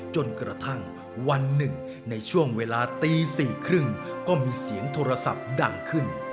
จนกระทั่งวันหนึ่งในช่วงเวลาตี๔๓๐ก็มีเสียงโทรศัพท์ดังขึ้น